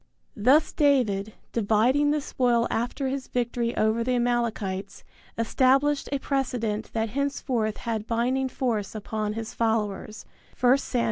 Thus David, dividing the spoil after his victory over the Amalekites, established a precedent that henceforth had binding force upon his followers (I Sam.